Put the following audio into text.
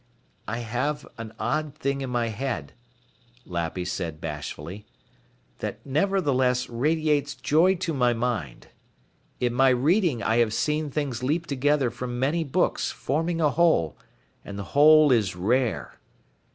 "I have an odd thing in my head," Lappy said bashfully, "that nevertheless radiates joy to my mind. In my reading I have seen things leap together from many books, forming a whole, and the whole is rare.